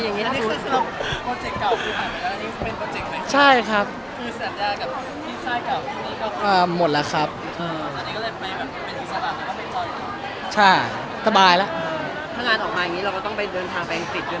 นี่คือสำหรับโฟเจกเก่าที่ผ่านไปการเยิ่งเป็นโฟเจกไหม